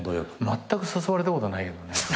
まったく誘われたことないけどね。